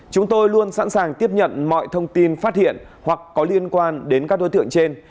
chúng tôi luôn sẵn sàng tiếp nhận mọi thông tin phát hiện hoặc có liên quan đến các đối tượng trên